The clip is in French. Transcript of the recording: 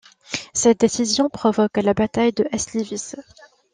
Cette décision provoque la Bataille de Slivice.